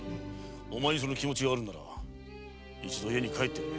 お前にその気持ちがあるなら一度家に帰ってやれ。